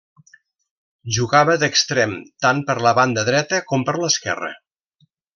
Jugava d'extrem, tant per la banda dreta com per l'esquerra.